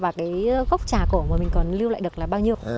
và cái gốc trà cổ mà mình còn lưu lại được là bao nhiêu